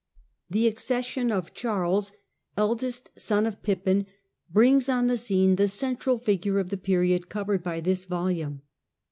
THE accession of Charles, eldest son of Pippin, brings on the scene the central figure of the period Icovered by this volume.